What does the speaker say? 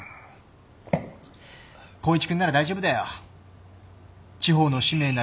光一君なら大丈夫だよ。